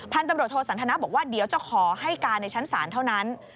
ตำรวจโทสันทนาบอกว่าเดี๋ยวจะขอให้การในชั้นศาลเท่านั้น